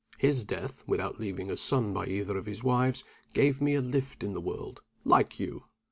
His death, without leaving a son by either of his wives, gave me a lift in the world, like you.